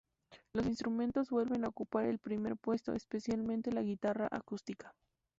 Los instrumentos vuelven a ocupar el primer puesto, especialmente la guitarra acústica.